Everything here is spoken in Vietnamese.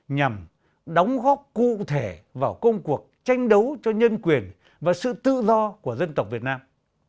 nhằm đóng góp cụ thể vào công cuộc tranh đấu cho nhân quyền và sự tự do của dân tộc việt nam